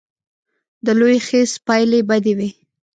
د لوی خیز پایلې بدې وې.